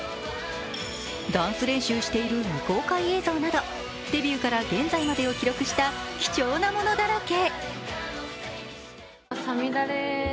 ダンス練習している未公開映像などデビューから現在までを記録した貴重なものだらけ。